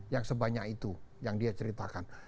yang sebanyak itu yang dia ceritakan